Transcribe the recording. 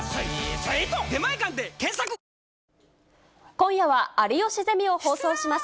今夜は有吉ゼミを放送します。